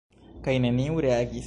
Kaj neniu reagis.